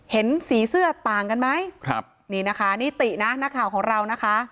เห็นสีเสื้อต่างกันไหมครับนี่นะคะนิตินะนักข่าวของเรานะคะ